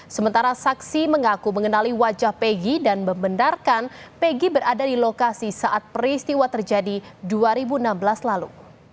sementara saksi mengaku mengenali wajah pegi dan membenarkan peggy berada di lokasi saat peristiwa terjadi dua ribu enam belas lalu